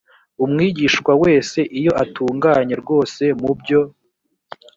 umwigishwa wese iyo atunganye rwose mu byo